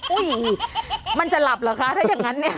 มันจะหลับเหรอคะถ้าอย่างนั้นเนี่ย